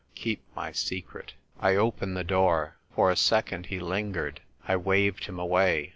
Keep my secret!" I opened the door. For a second he lin gered. I waved him away.